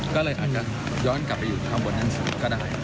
ก็เลยอาจจะย้อนกลับไปอยู่ทำบทเรียนสูงก็ได้